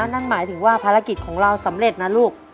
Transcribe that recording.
นั่นหมายถึงว่าภารกิจของเราสำเร็จนะลูก